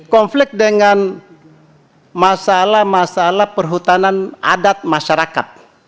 konflik dengan masalah masalah perhutanan adat masyarakat